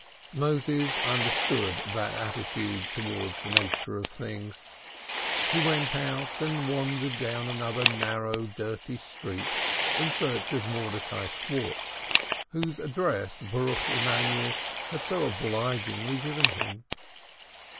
Moses understood that attitude towards the nature of things. He went out and wandered down another narrow dirty street in search of Mordecai Schwartz, whose address Baruch Emanuel had so obligingly given him.